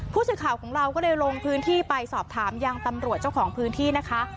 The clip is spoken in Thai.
ผู้สื่อข่าวของเราก็เลยลงพื้นที่ไปสอบถามยังตำรวจเจ้าของพื้นที่นะคะ